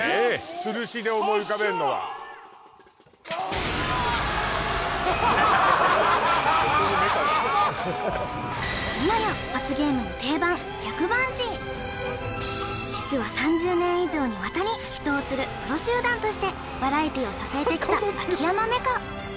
吊るしで思い浮かべるのは今や罰ゲームの定番実は３０年以上にわたり人を吊るプロ集団としてバラエティを支えてきた秋山メカ